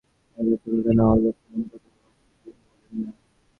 এ-জাতীয় ঘটনা অলীক, এমন কথা ভারতে কেহই বলিবে না।